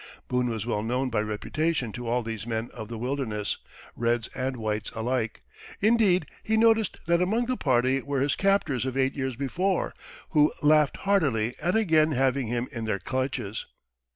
Boone was well known by reputation to all these men of the wilderness, reds and whites alike; indeed, he noticed that among the party were his captors of eight years before, who laughed heartily at again having him in their clutches.